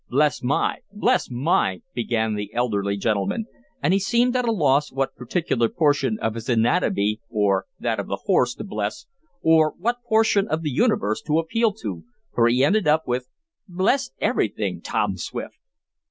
"Bless my bless my " began the elderly gentleman, and he seemed at a loss what particular portion of his anatomy or that of the horse, to bless, or what portion of the universe to appeal to, for he ended up with: "Bless everything, Tom Swift!"